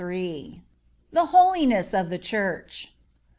THE HOLINESS OF THE CHURCH.